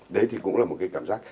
đấy thì cũng là một cái cảm giác